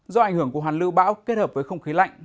do ảnh hưởng của hoàn lưu bão kết hợp với không khí lạnh